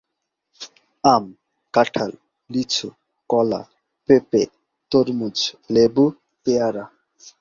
আম, কাঁঠাল, লিচু, কলা, পেঁপে, তরমুজ, লেবু, পেয়ারা।